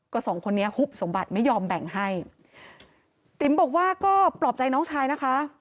ก็สองคนนี้ฮุบสมบัติไม่ยอมแบ่งให้ติ๋มบอกว่าก็ปลอบใจน้องชายนะคะ